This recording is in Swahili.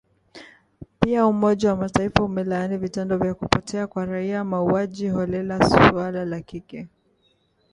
Pia umoja wa mataifa umelaani vitendo vya kupotea kwa raia, mauaji holela, suala la kile kinachojulikana kama “nyumba salama”, huko Uganda